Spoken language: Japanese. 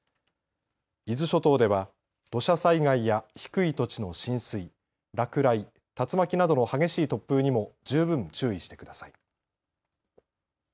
伊豆諸島では土砂災害や低い土地の浸水、落雷、竜巻などの激しい突風にも十分注意してください。